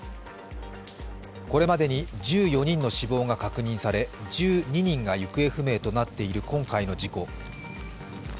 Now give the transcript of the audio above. これまでに１４人の死亡が確認され１２人が行方不明となっている今回の事故。